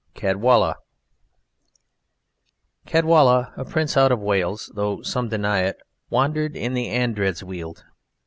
CAEDWALLA Caedwalla, a prince out of Wales (though some deny it), wandered in the Andredsweald.